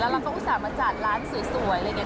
เราก็อุตส่าห์มาจัดร้านสวยอะไรอย่างนี้